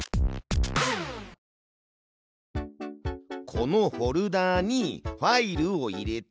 このフォルダーにファイルを入れて。